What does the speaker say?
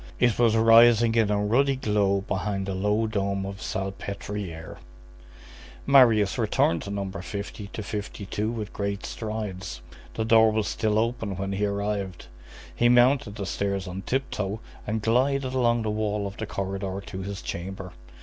It was rising in a ruddy glow behind the low dome of Salpêtrière. Marius returned to No. 50 52 with great strides. The door was still open when he arrived. He mounted the stairs on tip toe and glided along the wall of the corridor to his chamber.